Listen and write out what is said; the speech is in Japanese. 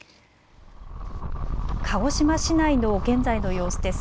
鹿児島市内の現在の様子です。